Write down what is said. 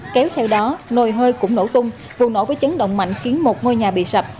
kéo theo đó nồi hơi cũng nổ tung vụ nổ với chấn động mạnh khiến một ngôi nhà bị sập